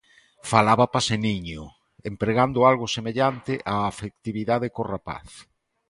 Falaba paseniño, empregando algo semellante á afectividade co rapaz.